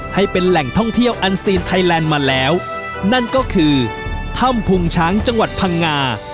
ให้เป็นแหล่งท่องเที่ยวอันซีนไทยแลนด์มาแล้วนั่นก็คือถ้ำพุงช้างจังหวัดพังงา